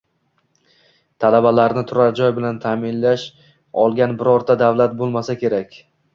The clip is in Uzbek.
Talabalarni turar joy bilan taʼminlay olgan birorta davlat boʻlmasa kerak.